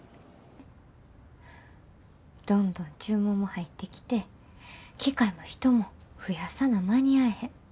どんどん注文も入ってきて機械も人も増やさな間に合えへん。